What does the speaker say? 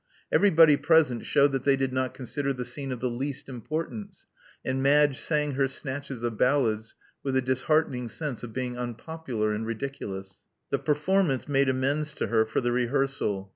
Everybody present shewed that they did not consider the scene of the least importance ; and Madge sang her snatches of ballads with a dishearten ing sense of being unpopular and ridiculous. The performance made amends to her for the rehearsal.